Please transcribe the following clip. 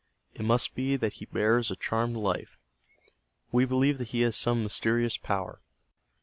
It must be that he bears a charmed life. We believe that he has some mysterious power.